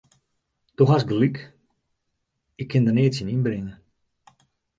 Do hast gelyk, ik kin der neat tsjin ynbringe.